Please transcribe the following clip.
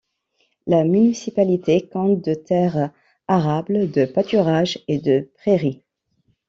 La municipalité compte de terres arables, de pâturages et de prairies.